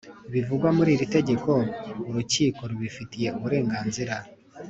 bivugwa muri iri tegeko Urukiko rubifitiye uburenganzira